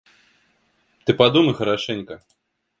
Ты подумай хорошенько.